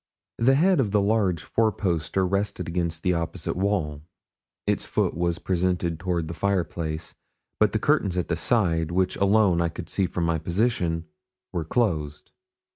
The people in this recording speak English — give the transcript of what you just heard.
The head of the large four poster rested against the opposite wall. Its foot was presented toward the fireplace; but the curtains at the side, which alone I could see from my position, were closed.